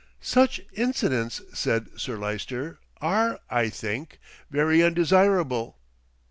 "Such incidents," said Sir Lyster, "are, I think, very undesirable."